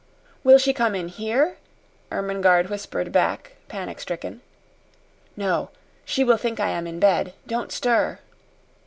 "Will she come in here?" Ermengarde whispered back, panic stricken. "No. She will think I am in bed. Don't stir."